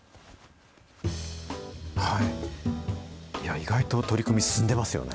意外と取り組み、進んでますよね。